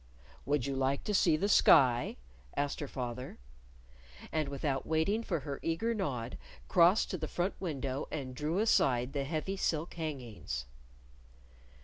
"Would you like to see the sky?" asked her father. And without waiting for her eager nod, crossed to the front window and drew aside the heavy silk hangings.